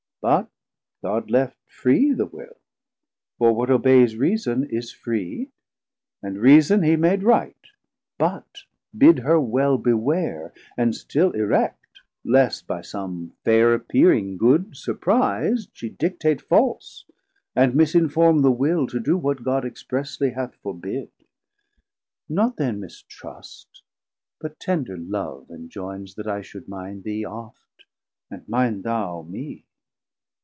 350 But God left free the Will, for what obeyes Reason, is free, and Reason he made right, But bid her well beware, and still erect, Least by some faire appeering good surpris'd She dictate false, and missinforme the Will To do what God expresly hath forbid. Not then mistrust, but tender love enjoynes, That I should mind thee oft, and mind thou me.